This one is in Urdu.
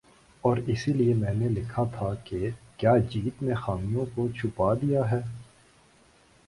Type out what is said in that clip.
اور اسی لیے میں نے لکھا تھا کہ "کیا جیت نے خامیوں کو چھپا دیا ہے ۔